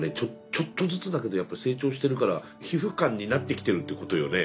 ちょっとずつだけどやっぱり成長してるから皮膚感になってきてるということよね。